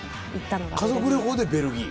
家族旅行でベルギー？